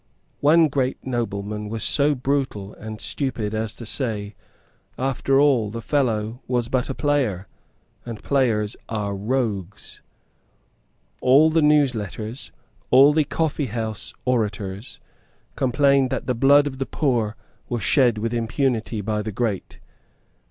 One great nobleman was so brutal and stupid as to say, "After all the fellow was but a player; and players are rogues." All the newsletters, all the coffeehouse orators, complained that the blood of the poor was shed with impunity by the great.